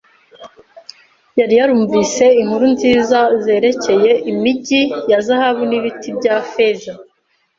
Yari yarumvise inkuru nziza zerekeye imigi ya zahabu n'ibiti bya feza.